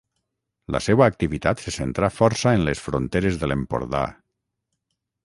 La seua activitat se centrà força en les fronteres de l'Empordà.